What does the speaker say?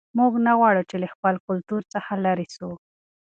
موږ نه غواړو چې له خپل کلتور څخه لیرې سو.